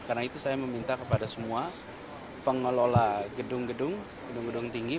karena itu saya meminta kepada semua pengelola gedung gedung tinggi